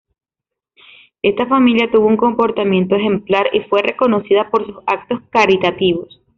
Esta familia tuvo un comportamiento ejemplar y fue reconocida por sus actos caritativos.